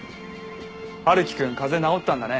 春樹君風邪治ったんだね。